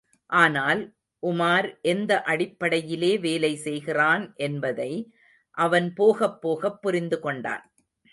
ஆனால், உமார் எந்த அடிப்படையிலே வேலை செய்கிறான் என்பதை அவன் போகப் போகப் புரிந்துகொண்டான்.